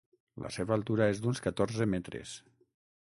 La seva altura és d'uns catorze metres.